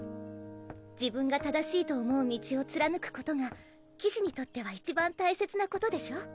自分が正しいと思う道を貫くことが騎士にとってはいちばん大切なことでしょう？